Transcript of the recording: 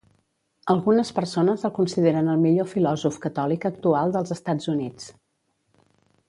Algunes persones el consideren el millor filòsof catòlic actual dels Estats Units.